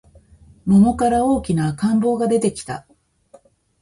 桃から大きな赤ん坊が出てきた